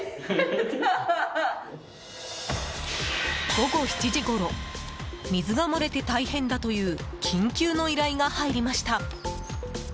午後７時ごろ水が漏れて大変だという緊急の依頼が入りました。